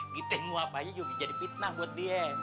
gitu yang nguap aja juga jadi fitnah buat dia